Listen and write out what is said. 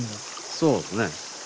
そうですね。